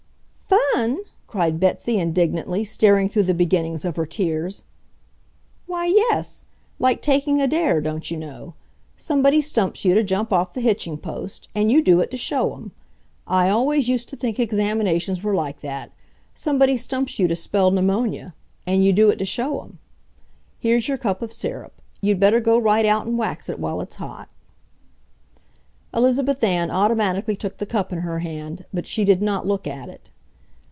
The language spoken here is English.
"FUN!" cried Betsy, indignantly, staring through the beginnings of her tears. "Why, yes. Like taking a dare, don't you know. Somebody stumps you to jump off the hitching post, and you do it to show 'em. I always used to think examinations were like that. Somebody stumps you to spell 'pneumonia,' and you do it to show 'em. Here's your cup of syrup. You'd better go right out and wax it while it's hot." Elizabeth Ann automatically took the cup in her hand, but she did not look at it.